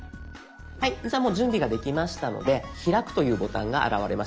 はいじゃあもう準備ができましたので「開く」というボタンが現れました。